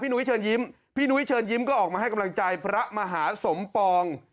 นุ้ยเชิญยิ้มพี่นุ้ยเชิญยิ้มก็ออกมาให้กำลังใจพระมหาสมปอง